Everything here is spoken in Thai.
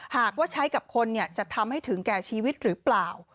หากว่าใช้กับคนจะทำให้ถึงแก่ชีวิตหรือเปล่า